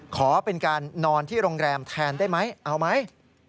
ขอเป็นการนอนที่โรงแรมแทนได้ไหมเอาไหม